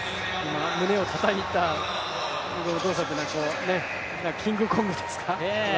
今、胸をたたいた動作というのはキングコングですか。